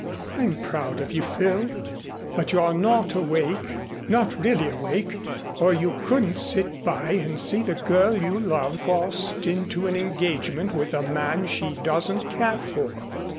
"I'm proud of you, Phil, but you're not awake not really awake or you couldn't sit by and see the girl you love forced into an engagement with a man she doesn't care for."